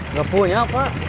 nggak punya pak